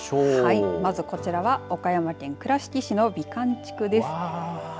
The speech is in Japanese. はいまずこちらは岡山県倉敷市の美観地区です。